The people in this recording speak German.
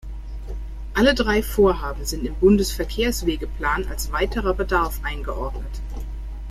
Alle drei Vorhaben sind im Bundesverkehrswegeplan als „weiterer Bedarf“ eingeordnet.